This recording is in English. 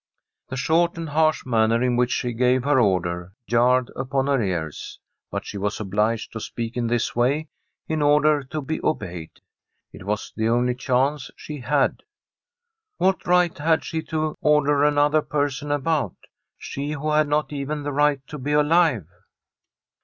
The short and harsh manner in which she gave her orders jarred upon her ears, but she was obliged to speak in this way in order to be obeyed ; it was the only chance she had. What right had she to order another person about — ^she who had not even the right to be alive